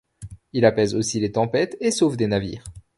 Il apaise aussi les tempêtes et sauve des navires.